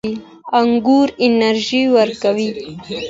انګور انرژي ورکوي